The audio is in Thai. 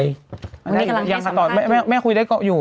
อันนี้กำลังจะไม่คุยได้ก็อยู่